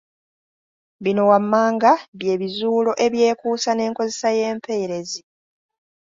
Bino wammanga bye bizuulo ebyekuusa n’enkozesa y’empeerezi.